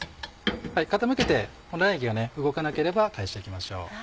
傾けて卵液が動かなければ返していきましょう。